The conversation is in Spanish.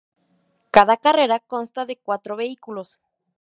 Cada carrera consta de cuatro vehículos.